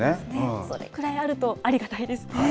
それくらいあるとありがたいですね。